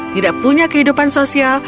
tidak punya kehidupan sosial